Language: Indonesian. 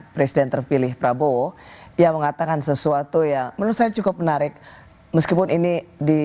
presiden terpilih prabowo yang mengatakan sesuatu yang menurut saya cukup menarik meskipun ini di